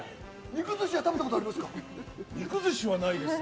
肉寿司は食べたことあります